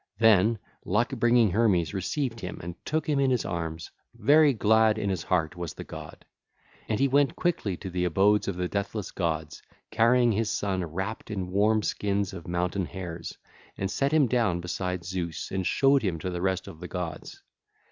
Then luck bringing Hermes received him and took him in his arms: very glad in his heart was the god. And he went quickly to the abodes of the deathless gods, carrying the son wrapped in warm skins of mountain hares, and set him down beside Zeus and showed him to the rest of the gods.